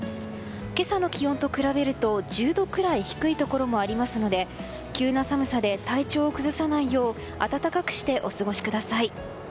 今朝の気温と比べると１０度くらい低いところもありますので急な寒さで体調を崩さないよう暖かくしてお過ごしください。